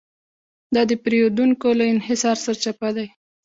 دا د پېریدونکو له انحصار سرچپه دی.